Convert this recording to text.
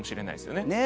ねえ？